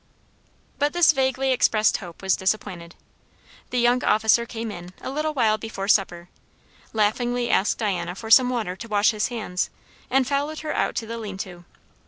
But this vaguely expressed hope was disappointed. The young officer came in, a little while before supper; laughingly asked Diana for some water to wash his hands; and followed her out to the lean to.